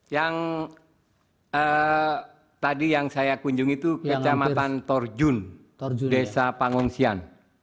yang tadi yang saya kunjungi itu kecamatan torjun desa pangungsian